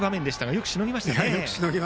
よくしのぎましたね。